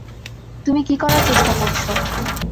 তুমি কি করার চেষ্টা করছ?